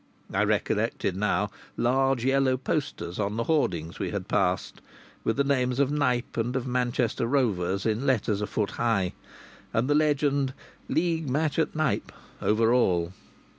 I recollected, now, large yellow posters on the hoardings we had passed, with the names of Knype and of Manchester Rovers in letters a foot high and the legend "League match at Knype" over all.